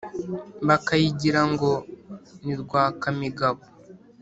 bakayigira ngo ni rwakamigabo